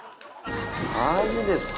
マジですか？